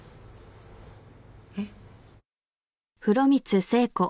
えっ？